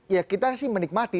ya kita sih menikmati